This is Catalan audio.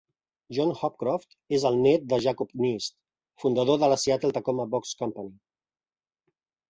John Hopcroft és el nét de Jacob Nist, fundador de la Seattle-Tacoma Box Company.